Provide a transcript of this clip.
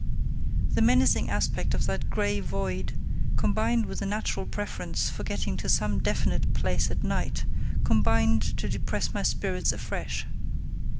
The menacing aspect of that grey void, combined with a natural preference for getting to some definite place at night, combined to depress my spirits afresh.